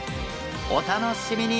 お楽しみに！